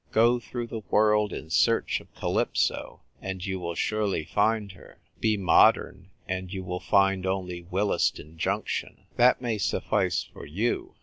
Go through the world in search of Calypso, and you will surely find her. Be modern, and you will find only Willesden Junction. That may suffice for you.